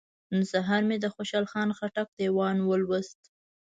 نن سهار مې د خوشحال خان خټک دیوان ولوست.